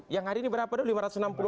yang hari ini berapa tuh